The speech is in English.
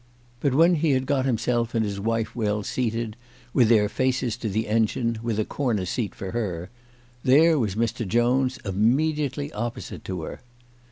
But when he had got himself and his wife well seated, with their faces to the engine, with a corner seat for her, there was Mr. Jones immediately opposite to her.